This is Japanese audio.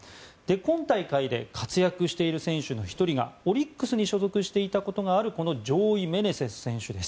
今大会で活躍している選手の１人がオリックスに所属していたことがあるジョーイ・メネセス選手です。